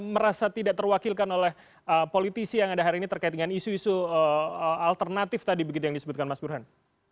merasa tidak terwakilkan oleh politisi yang ada hari ini terkait dengan isu isu alternatif tadi begitu yang disebutkan mas burhan